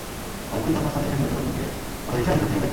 পরে পুলিশ ঘটনাস্থলে এসে নিহত লোকজনকে অটোরিকশার ভেতর থেকে বের করে।